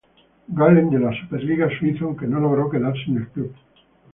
Gallen de la Super Liga Suiza, aunque no logró quedarse en el club.